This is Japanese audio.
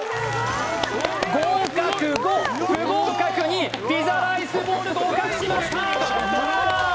合格５不合格２ピザライスボウル合格しました！